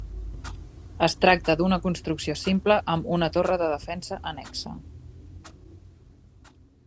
Es tracta d'una construcció simple amb una torre de defensa annexa.